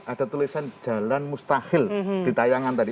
ada tulisan jalan mustahil di tayangan tadi